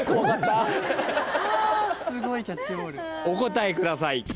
お答えください。